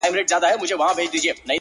بدراتلونکی دې مستانه حال کي کړې بدل’